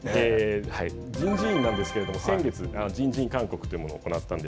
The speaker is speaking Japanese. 人事院なんですけど、先月人事院勧告というものを行いました。